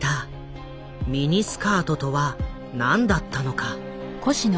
ミニスカートとは何だったのか。